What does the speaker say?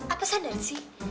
apa sandar sih